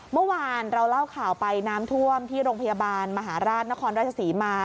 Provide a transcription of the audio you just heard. เมื่อวานเราเล่าข่าวไปน้ำท่วมที่โรงพยาบาลมหาราชนครราชศรีมา